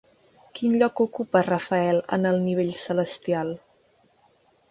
Quin lloc ocupa Rafael en el nivell celestial?